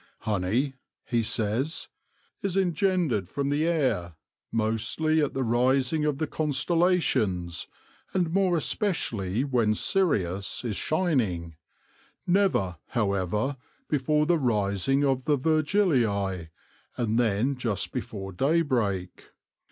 " Honey," he says, " is engendered from the air, mostly at the rising of the constellations, and more especially when Sirius is shining ; never, however, before the rising of the Vergiliae, and then just before day break.